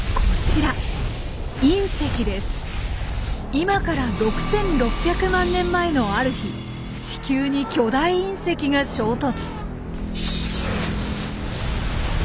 今から６６００万年前のある日地球に巨大隕石が衝突。